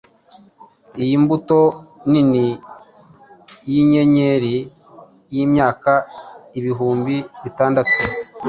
iyi mbuto nini yinyenyeri yimyaka ibihumbi bitandatu?